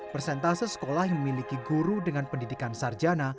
persentase sekolah yang memiliki guru dengan pendidikan sarjana